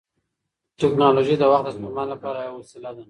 ټیکنالوژي د وخت د سپما لپاره یوه وسیله ده.